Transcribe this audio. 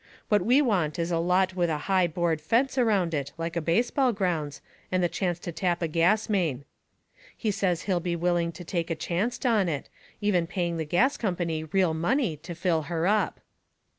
What we want is a lot with a high board fence around it, like a baseball grounds, and the chance to tap a gas main." He says he'll be willing to take a chancet on it, even paying the gas company real money to fill her up.